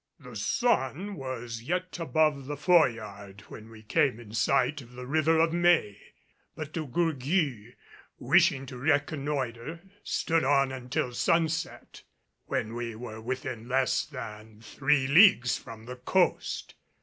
The sun was yet above the foreyard when we came in sight of the River of May, but De Gourgues, wishing to reconnoiter, stood on until sunset, when we were within less than three leagues from the coast.